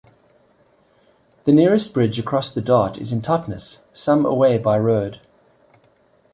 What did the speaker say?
The nearest bridge across the Dart is in Totnes, some away by road.